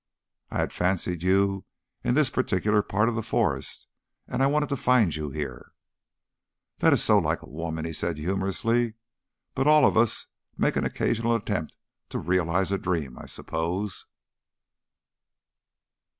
"I had fancied you in this particular part of the forest, and I wanted to find you here." "That is so like a woman," he said humorously. "But all of us make an occasional attempt to realize a dream, I suppose."